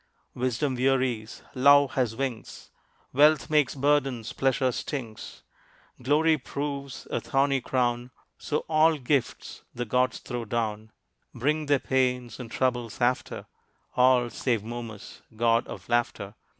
Wisdom wearies, Love has wings Wealth makes burdens, Pleasure stings, Glory proves a thorny crown So all gifts the gods throw down Bring their pains and troubles after; All save Momus, god of laughter.